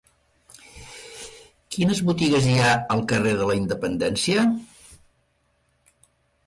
Quines botigues hi ha al carrer de la Independència?